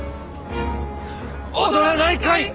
踊らないかい？